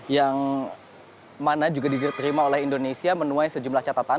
yang mana juga diterima oleh indonesia menuai sejumlah catatan